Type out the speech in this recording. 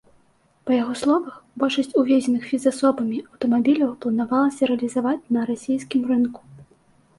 Па яго словах, большасць увезеных фізасобамі аўтамабіляў планавалася рэалізаваць на расійскім рынку.